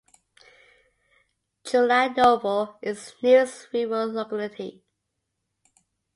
Chulanovo is the nearest rural locality.